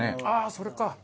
ああそれか！